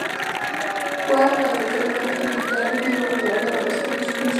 Juega como defensor y actualmente milita en Heart of Midlothian de la Scottish Premiership.